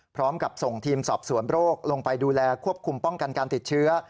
พร้อมกับส่งทีมสอบสวนโรคลงไปดูแลควบคุมป้องกันการติดเชื้อ